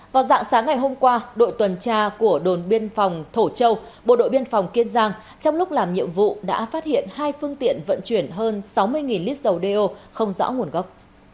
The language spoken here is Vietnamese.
vào dạng sáng ngày hôm qua đội tuần tra của đồn biên phòng thổ châu bộ đội biên phòng kiên giang trong lúc làm nhiệm vụ đã phát hiện hai phương tiện vận chuyển hơn sáu mươi lít dầu đeo không rõ nguồn gốc